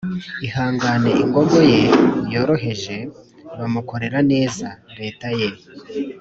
ihangane ingogo ye yoroheje, bamukorera neza. leta ye